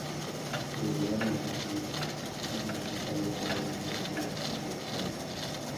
Jugó baloncesto universitario para la Universidad DePaul.